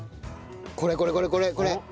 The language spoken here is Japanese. これこれこれこれ！